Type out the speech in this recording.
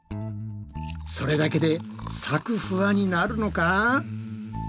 それだけでサクフワになるのか？